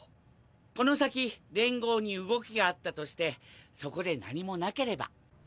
この先連合に動きがあったとしてそこで何も無ければ。